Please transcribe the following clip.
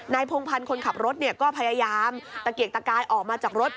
พงพันธ์คนขับรถก็พยายามตะเกียกตะกายออกมาจากรถ